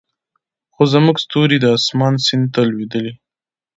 خو زموږ ستوري د اسمان سیند ته لویدلې